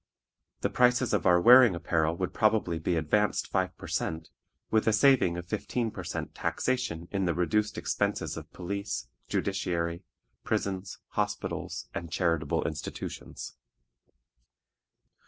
The prices of our wearing apparel would probably be advanced five per cent., with a saving of fifteen per cent. taxation in the reduced expenses of police, judiciary, prisons, hospitals, and charitable institutions.